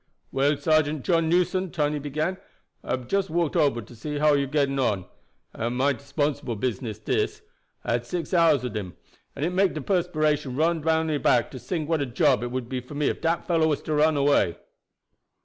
"Well, Sergeant John Newson," Tony began, "I hab just walked ober to see how you getting on. It am a mighty 'sponsible business dis. I had six hours of him, and it make de perspiration run down my back to tink what a job it would be for me if dat fellow was to run away."